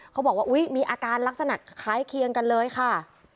เขาบอกว่าอุ๊ยมีอาการลักษณะคล้ายเคียงกันเลยค่ะ